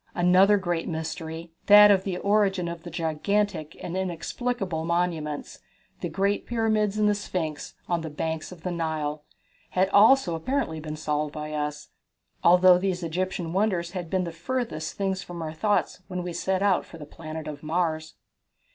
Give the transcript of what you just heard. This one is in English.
Another great mystery that of the origin of those gigantic and inexplicable monuments, the great pyramids and the Sphinx, on the banks of the Nile, had also apparently been solved by us, although these Egyptian wonders had been the furthest things from our thoughts when we set out for the planet Mars.